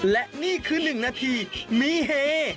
และนี่คือ๑นาทีมีเฮ